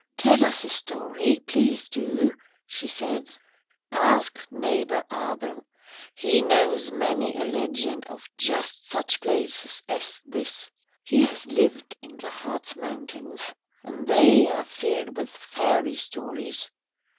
"Tell us a story. Please do," she said. "Ask neighbour Abel. He knows many a legend of just such places as this. He has lived in the Hartz Mountains, and they are filled with fairy stories."